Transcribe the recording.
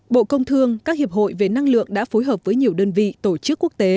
bộ công thương các hiệp hội về năng lượng đã phối hợp với nhiều đơn vị tổ chức quốc tế